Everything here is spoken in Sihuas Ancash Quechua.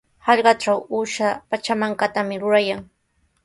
Hallqatraw uusha pachamankatami rurayan.